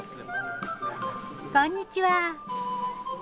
こんにちは。